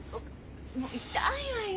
もう痛いわよ